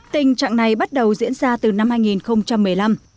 đoạn này bắt đầu diễn ra từ năm hai nghìn một mươi năm